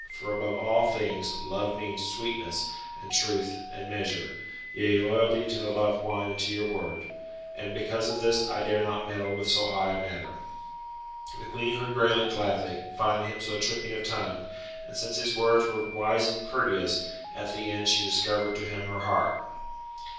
For above all things Love means sweetness, and truth, and measure; yea, loyalty to the loved one and to your word. And because of this I dare not meddle with so high a matter." The Queen heard Graelent gladly, finding him so tripping of tongue, and since his words were wise and courteous, at the end she discovered to him her heart.